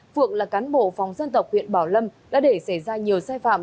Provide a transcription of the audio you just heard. phượng là cán bộ phòng dân tộc huyện bảo lâm đã để xảy ra nhiều sai phạm